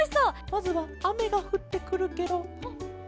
まずはあめがふってくるケロ。